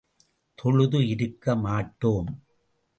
தொழுது இருக்க மாட்டோம்.